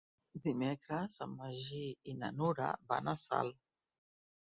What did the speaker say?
Dimecres en Magí i na Nura van a Salt.